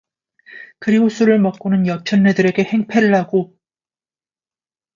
그리고 술을 먹고는 여편네들에게 행패를 하고